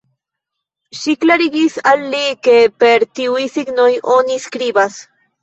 Ŝi klarigis al li, ke per tiuj signoj oni skribas.